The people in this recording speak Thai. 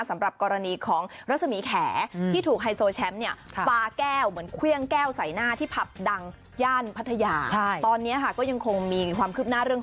สำหรับกรณีของราศมีแขก